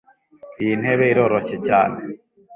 Iyi ntebe iroroshye cyane.